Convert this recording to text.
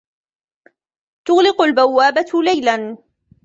تغلق البوابة ليلا.